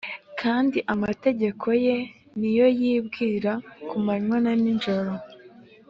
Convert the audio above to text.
Kandi amategeko ye ni yo yibwira ku manywa na nijoro.